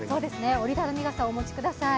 折りたたみ傘をお持ちください。